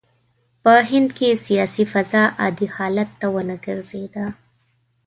په هند کې سیاسي فضا عادي حال ته ونه ګرځېده.